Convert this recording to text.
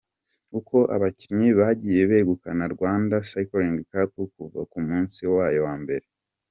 Uko abakinnyi bagiye begukana Rwanda cycling cup kuva ku munsi wayo wambere.